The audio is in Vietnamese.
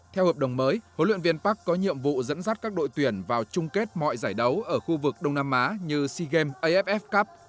theo hợp đồng mới huấn luyện viên park có nhiệm vụ dẫn dắt các đội tuyển vào chung kết mọi giải đấu ở khu vực đông nam á như sea games aff cup